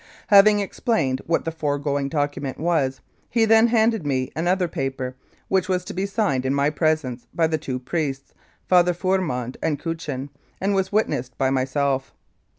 Having explained what the foregoing document was, he then handed me another paper, which was to be signed in my presence by the two priests, Fathers Fourmond and Cochin, and was to be witnessed by myself.